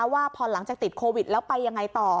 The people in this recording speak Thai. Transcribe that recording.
ว่าพอหลังจากติดโควิดแล้วไปยังไงต่อ